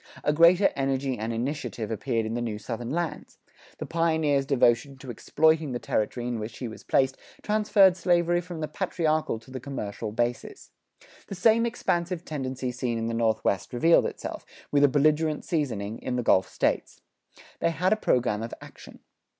A greater energy and initiative appeared in the new Southern lands; the pioneer's devotion to exploiting the territory in which he was placed transferred slavery from the patriarchal to the commercial basis. The same expansive tendency seen in the Northwest revealed itself, with a belligerent seasoning, in the Gulf States. They had a program of action.